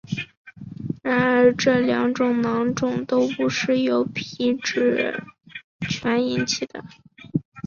然而这两种囊肿都不是由皮脂腺引起的。